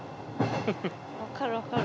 分かる分かる。